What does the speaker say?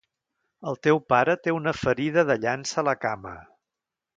El teu pare té una ferida de llança a la cama.